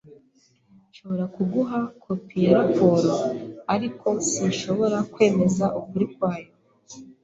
Nshobora kuguha kopi ya raporo, ariko sinshobora kwemeza ukuri kwayo.